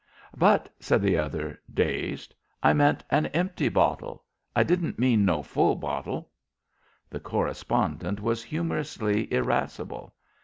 "But," said the other, dazed, "I meant an empty bottle. I didn't mean no full bottle." The correspondent was humorously irascible.